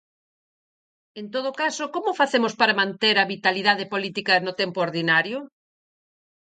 En todo caso, como facemos para manter a vitalidade política no tempo ordinario?